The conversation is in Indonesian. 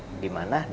dan kita lakukan